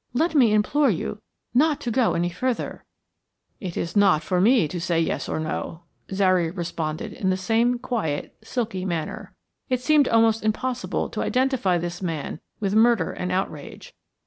Let me implore you not to go any further " "It is not for me to say yes or no," Zary responded in the same quiet, silky manner. It seemed almost impossible to identify this man with murder and outrage.